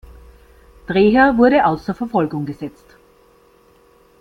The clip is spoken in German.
Dreher wurde außer Verfolgung gesetzt.